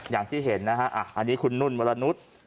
อย่างที่เห็นนะฮะอันนี้คุณนุ่นวรนุษย์